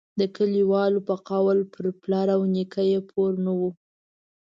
د کلیوالو په قول پر پلار او نیکه یې پور نه وو.